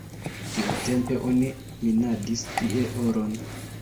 Tiutempe oni minadis tie oron.